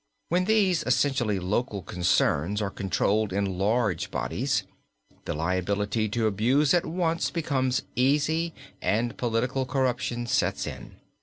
When these essentially local concerns are controlled in large bodies the liability to abuse at once becomes easy and political corruption sets in.